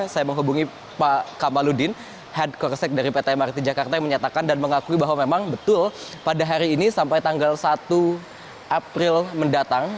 saya menghubungi pak kamaludin head corsec dari pt mrt jakarta yang menyatakan dan mengakui bahwa memang betul pada hari ini sampai tanggal satu april mendatang